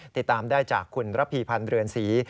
ติดตามได้จากคุณระพีพันธ์เรือนศรี